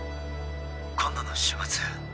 ☎「今度の週末」